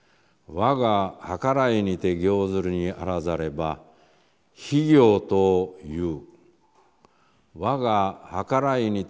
わがはからいにてつくる善にもあらざれば非善という。